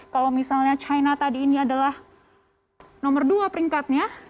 kalau misalnya china tadi ini adalah nomor dua peringkatnya